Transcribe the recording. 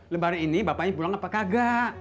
lebar ini bapaknya pulang apa kagak